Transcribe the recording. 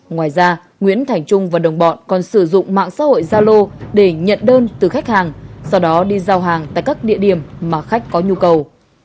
ngoài ra nguyễn thành trung và đồng bọn còn sử dụng mạng xã hội gia lô để nhận đơn từ khách hàng sau đó đi giao hàng tại các địa điểm mà khách có nhu cầu